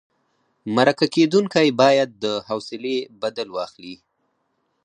مرکه کېدونکی باید د حوصلې بدل واخلي.